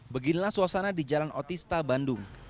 beginilah suasana di jalan otista bandung